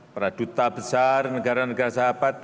para duta besar negara negara sahabat